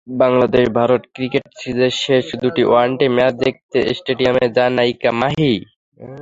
বাংলাদেশ-ভারত cricket সিরিজের শেষ দুুটি one day match দেখতে স্টেডিয়ামে যান নায়িকা মাহি।